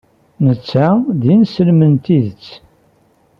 Netta d ineslem n tidet.